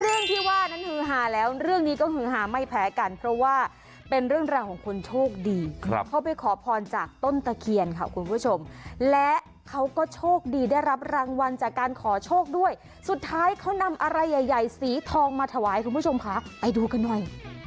เรื่องที่ว่านั้นฮือหาแล้วเรื่องนี้ก็ฮือหาไม่แพ้กันเพราะว่าเป็นเรื่องราวของคนโชคดีเขาไปขอพรจากต้นตะเคียนค่ะคุณผู้ชมและเขาก็โชคดีได้รับรางวัลจากการขอโชคด้วยสุดท้ายเขานำอะไรใหญ่ใหญ่สีทองมาถวายคุณผู้ชมค่ะไปดูกันหน่อย